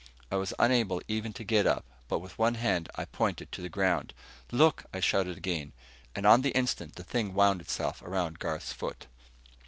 I was unable even to get up, but with one hand I pointed to the ground. "Look!" I shouted again, and on the instant the thing wound itself around Garth's foot.